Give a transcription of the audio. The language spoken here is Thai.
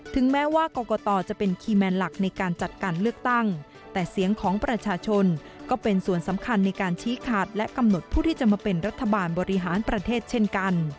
แม้ว่ากรกตจะเป็นคีย์แมนหลักในการจัดการเลือกตั้งแต่เสียงของประชาชนก็เป็นส่วนสำคัญในการชี้ขาดและกำหนดผู้ที่จะมาเป็นรัฐบาลบริหารประเทศเช่นกัน